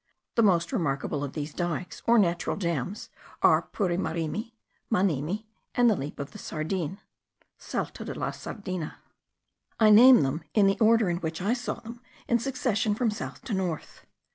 The most remarkable of these dikes, or natural dams, are Purimarimi, Manimi, and the Leap of the Sardine (Salto de la Sardina). I name them in the order in which I saw them in succession from south to north.